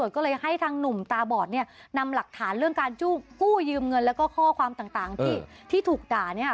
ก็เลยให้ทางหนุ่มตาบอดเนี่ยนำหลักฐานเรื่องการกู้ยืมเงินแล้วก็ข้อความต่างที่ถูกด่าเนี่ย